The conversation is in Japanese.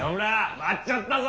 待っちょったぞ。